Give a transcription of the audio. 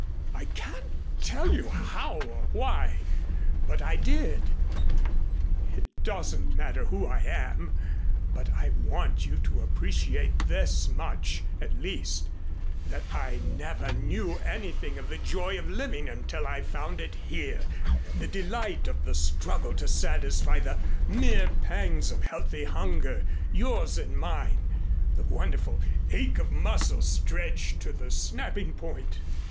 I can't tell you how or why, but I did. It doesn't matter who I am, but I want you to appreciate this much, at least, that I never knew anything of the joy of living until I found it here, the delight of the struggle to satisfy the mere pangs of healthy hunger yours and mine, the wonderful ache of muscles stretched to the snapping point."